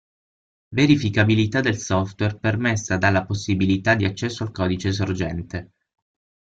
Verificabilità del software permessa dalla possibilità di accesso al codice sorgente.